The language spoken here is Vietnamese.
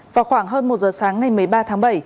vào khoảng hơn một giờ sáng ngày một mươi ba tháng bảy